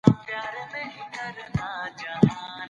په تيرو وختونو کي وژنې ډېرې ويرونکي وې.